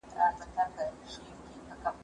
زه بايد مېوې وچوم؟!